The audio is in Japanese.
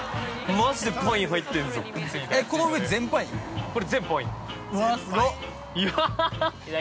マジでパイン入ってるんすよ。